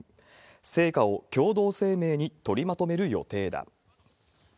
成果を共同声明に取りまとめる予定だ。